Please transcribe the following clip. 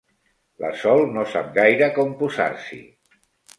La Sol no sap gaire com posar-s'hi.